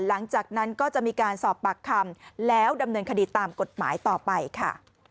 หลังจากนั้นก็จะมีการสอบปากคำแล้วดำเนินคดีตามกฎหมายต่อไปค่ะ